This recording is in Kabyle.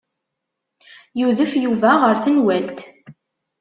Yudef Yuba ɣer tenwalt.